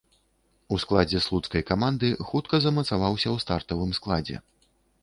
У складзе слуцкай каманды хутка замацаваўся ў стартавым складзе.